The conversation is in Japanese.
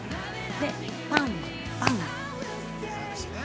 で、パン、パン。